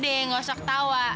udah deh gak usah ketawa